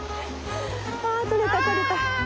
あ取れた取れた。